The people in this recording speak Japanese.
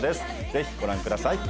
ぜひご覧ください。